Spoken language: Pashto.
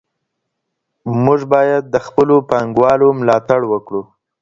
موږ باید د خپلو پانګوالو ملاتړ وکړو.